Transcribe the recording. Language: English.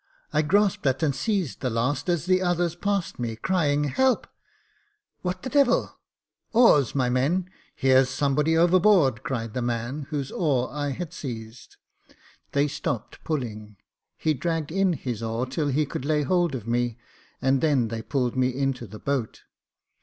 I grasped at and seized the last, as the others passed me, crying "Help !"" What the devil ! Oars, my men ; here's somebody overboard," cried the man, whose oar I had seized. They stopped pulling ; he dragged in his oar till he could lay hold of me, and then they hauled me into the boat.